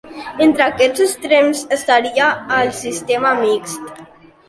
Entre aquests extrems estaria el sistema mixt.